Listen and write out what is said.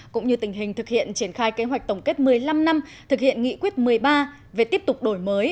cũng như tình hình thực hiện triển khai kế hoạch tổng kết một mươi năm năm thực hiện nghị quyết một mươi ba về tiếp tục đổi mới